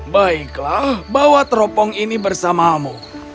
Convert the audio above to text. baiklah bawa teropong ini bersamamu